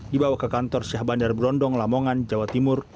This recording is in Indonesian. dibawa ke kantor syah bandar berondong lamongan jawa timur